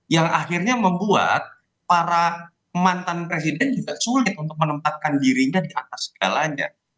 yang akhirnya membuat para mantan presiden juga sulit untuk menempatkan dirinya di atas segalanya